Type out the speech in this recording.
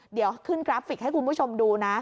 เดี๋ยวขึ้นกราฟิกให้คุณผู้ชมดูนะ